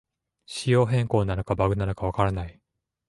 仕様変更なのかバグなのかわからない